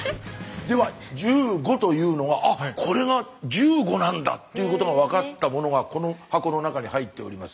では１５というのが「あこれが１５なんだ」っていうことが分かったものがこの箱の中に入っております。